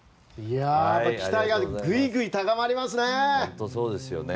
期待がぐいぐい高まりますね。